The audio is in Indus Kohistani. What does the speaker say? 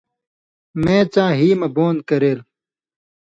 میں څاں ”ہی مہ بُون“ کرئیل۔